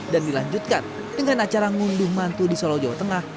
dan dilanjutkan dengan acara ngunduh mantu di solo jawa tengah